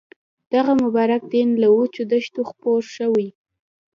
دغه مبارک دین له وچو دښتو خپور شوی.